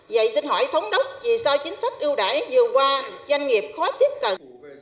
vậy xin hỏi thống đốc vì sao chính sách ưu đại vừa qua doanh nghiệp khó tiếp cận